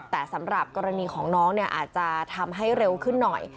แต่สำหรับกรณีของน้องเนี่ยอาจจะทำให้เร็วขึ้นหน่อย